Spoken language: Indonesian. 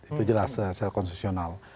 itu jelas secara konsesional